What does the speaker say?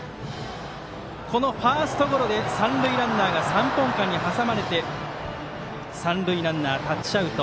このファーストゴロで三塁ランナーが三本間に挟まれて三塁ランナー、タッチアウト。